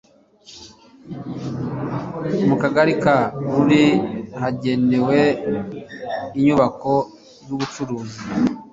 mu Kagari ka Ruli hagenewe inyubako z'ubucuruzi